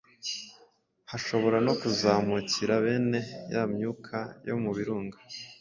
hashobora no kuzamukira bene ya myuka yo mu birunga